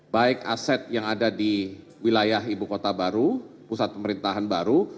baik aset yang ada di wilayah ibu kota baru pusat pemerintahan baru